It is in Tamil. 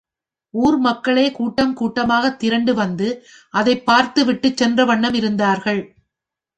ஊர் மக்களே கூட்டம் கூட்டமாகத் திரண்டு வந்து அதைப்பார்த்து விட்டுச் சென்ற வண்ணம் இருந்தார்கள்.